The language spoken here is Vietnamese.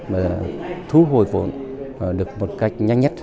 và thú hồi vốn được một cách nhanh nhất